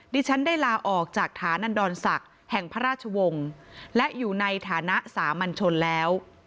ดิฉันได้ลาออกจากฐานันดรศักดิ์แห่งพระราชวงศ์และอยู่ในฐานะสามัญชนแล้ว